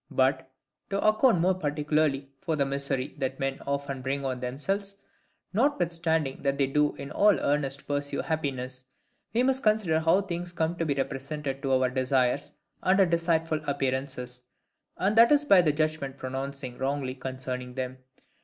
But, to account more particularly for the misery that men often bring on themselves, notwithstanding that they do all in earnest pursue happiness, we must consider how things come to be represented to our desires under deceitful appearances: and that is by the judgment pronouncing wrongly concerning them.